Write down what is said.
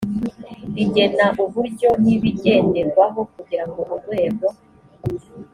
rigena uburyo n ibigenderwaho kugira ngo urwego